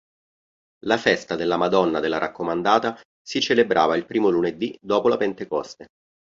La Festa della Madonna della Raccomandata si celebrava il primo lunedì dopo la Pentecoste.